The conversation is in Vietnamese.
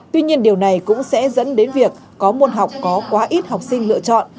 tuy nhiên điều này cũng sẽ dẫn đến việc có môn học có quá ít học sinh lựa chọn